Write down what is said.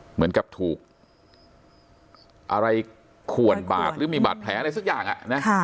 เหมือนกับถูกอะไรขวนบาดหรือมีบาดแผลอะไรสักอย่าง